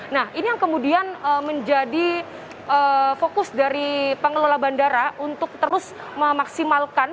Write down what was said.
nah ini yang kemudian menjadi fokus dari pengelola bandara untuk terus memaksimalkan